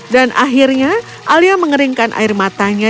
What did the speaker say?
dan akhirnya alia mengeringkan air matanya